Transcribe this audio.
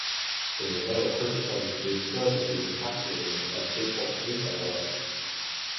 The novella criticizes the absurdities of capitalism and big box retail work.